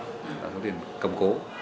đó là số tiền cầm cố